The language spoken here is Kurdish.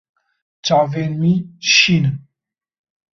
Çavên wî şîn in.